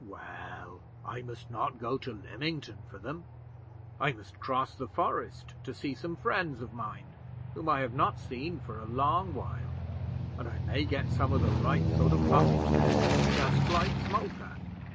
"Well, I must not go to Lymington for them. I must cross the forest, to see some friends of mine whom I have not seen for a long while, and I may get some of the right sort of puppies there, just like Smoker.